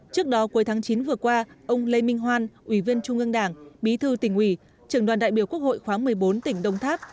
trước đó cuối tháng chín vừa qua ông lê minh hoan ủy viên trung ương đảng bí thư tỉnh ủy trưởng đoàn đại biểu quốc hội khóa một mươi bốn tỉnh đông tháp